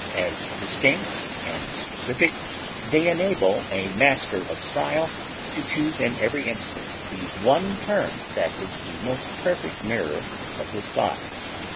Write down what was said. As distinct and specific, they enable a master of style to choose in every instance the one term that is the most perfect mirror of his thought.